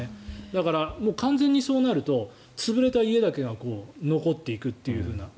だから、完全にそうなると潰れた家だけが残っていくような。